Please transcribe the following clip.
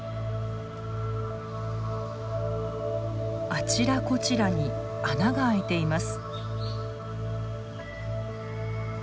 あちらこちらに穴が開いています。